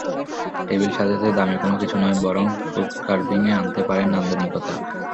Table সাজাতে দামি কোনো কিছু নয়, বরং ফ্রুট কার্ভিংয়ে আনতে পারেন নান্দনিকতা।